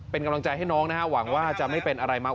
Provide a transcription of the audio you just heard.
เป็นกำลังใจให้น้องนะฮะหวังว่าจะไม่เป็นอะไรมาก